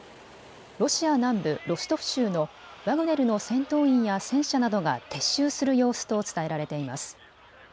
ロシア南部ロストフ州のワグネルの戦闘員や戦車などが撤収する様子と伝えられています。